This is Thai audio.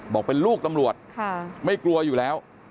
บอกเป็นลูกตำรวจไม่กลัวอยู่แล้ว